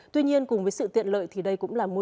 tuy nhiên cùng với sự tiện lợi thì đây cũng là môi trường